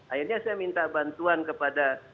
akhirnya saya minta bantuan kepada